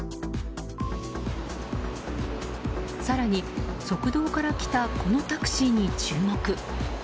更に、側道から来たこのタクシーに注目。